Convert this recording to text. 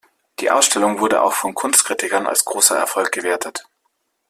Die Ausstellung wurde auch von Kunstkritikern als großer Erfolg gewertet.